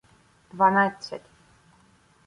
Дванадцять